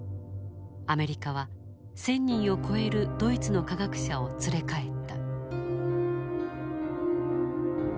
アメリカは１，０００人を超えるドイツの科学者を連れ帰った。